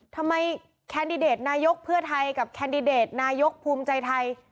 แคนดิเดตนายกเพื่อไทยกับแคนดิเดตนายกภูมิใจไทย